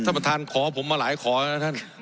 ท่านประธานขอผมมาหลายขอแล้วนะท่าน